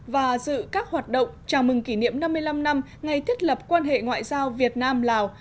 và dự các hoạt động chào mừng kỷ niệm năm mươi năm năm ngày thiết lập quan hệ ngoại giao việt nam lào